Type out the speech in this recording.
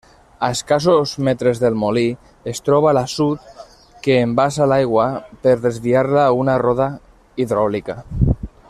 A escassos metres del molí es troba l'assut que embassa l'aigua per a desviar-la a una roda hidràulica.